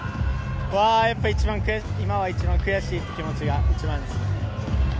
やっぱり一番は、悔しいという気持ちが一番です。